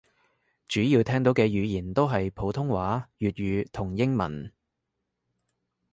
主要聽到嘅語言都係普通話粵語同英文